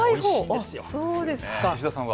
牛田さんは？